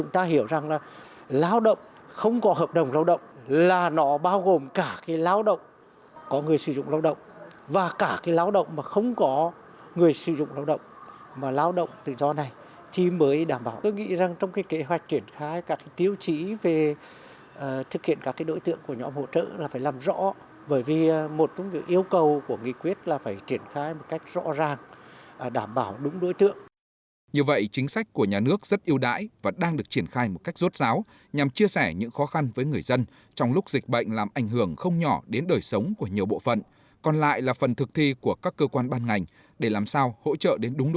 tuy nhiên đối với đối tượng là lao động không có giao kết hợp đồng lao động thì rất khó xác định